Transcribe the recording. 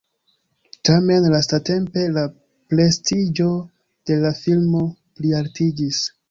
Tamen lastatempe la prestiĝo de la filmo plialtiĝis.